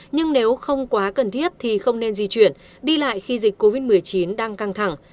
nhưng nếu không quá cần thiết thì không nên di chuyển đi lại khi dịch covid một mươi chín đang căng thẳng